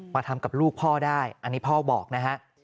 มาทำกับลูกพ่อได้อันนี้พ่อบอกนะฮะ